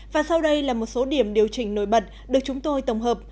và sau đây là một số điểm điều chỉnh nổi bật được chúng tôi tổng hợp